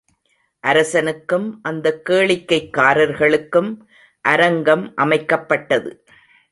அரசனுக்கும் அந்தக் கேளிக்கைக்காரர்களுக்கும், அரங்கம் அமைக்கப்பட்டது.